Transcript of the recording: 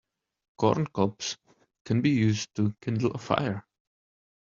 Corn cobs can be used to kindle a fire.